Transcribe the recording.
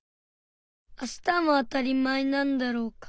あしたもあたりまえなんだろうか？